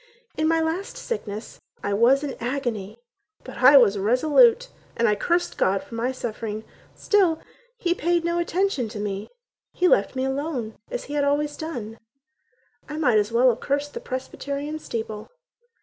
In my last sickness I was in agony, but I was resolute And I cursed God for my suffering; Still He paid no attention to me; He left me alone, as He had always done. I might as well have cursed the Presbyterian steeple.